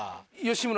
吉村